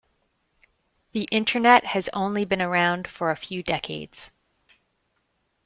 The internet has only been around for a few decades.